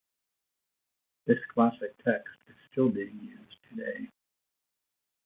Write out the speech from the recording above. This classic text is still being used today.